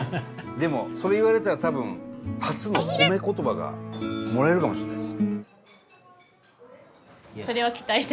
でもそれ言われたら多分初の褒め言葉がもらえるかもしれないです。